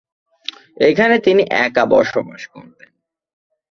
এখানে তিনি একা বসবাস করতেন।